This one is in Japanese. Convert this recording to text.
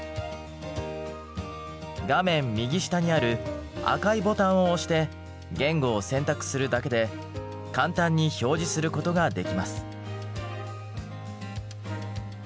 画面右下にある赤いボタンを押して言語を選択するだけで簡単に表示することができます。